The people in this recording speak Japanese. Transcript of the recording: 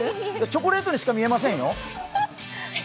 チョコレートにしか見えませんよ。